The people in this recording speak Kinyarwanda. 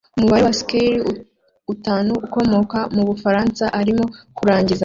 Umubare wa skier utanu ukomoka mubufaransa urimo kurangiza